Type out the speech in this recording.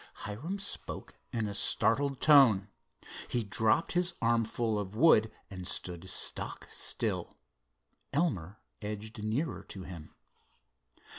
Hiram spoke in a startled tone. He dropped his armful of wood and stood stock still. Elmer edged nearer to him.